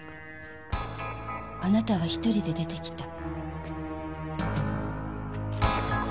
〔あなたは１人で出てきた〕